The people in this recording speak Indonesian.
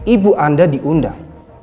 ibu anda diundang